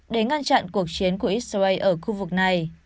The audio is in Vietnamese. để ngăn chặn cuộc chiến của israel ở khu vực này